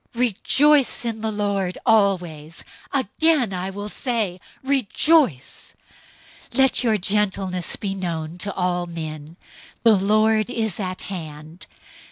004:004 Rejoice in the Lord always! Again I will say, Rejoice! 004:005 Let your gentleness be known to all men. The Lord is at hand.